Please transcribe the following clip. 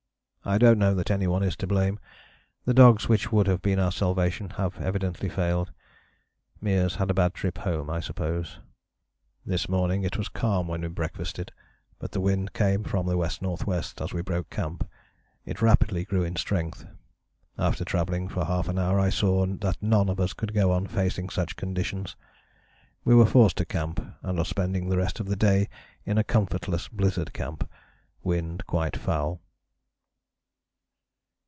I don't know that any one is to blame. The dogs which would have been our salvation have evidently failed. Meares had a bad trip home I suppose. "This morning it was calm when we breakfasted, but the wind came from the W.N.W. as we broke camp. It rapidly grew in strength. After travelling for half an hour I saw that none of us could go on facing such conditions. We were forced to camp and are spending the rest of the day in a comfortless blizzard camp, wind quite foul."